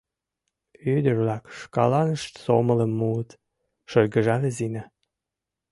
Ӱдыр-влак шкаланышт сомылым муыт, — шыргыжале Зина.